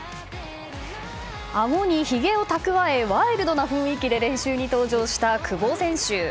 顎にひげを蓄えワイルドな雰囲気で練習に登場した久保選手。